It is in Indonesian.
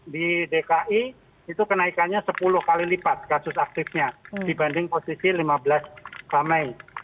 di dki itu kenaikannya sepuluh kali lipat kasus aktifnya dibanding posisi lima belas mei